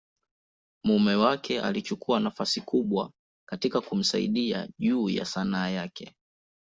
mume wake alichukua nafasi kubwa katika kumsaidia juu ya Sanaa yake.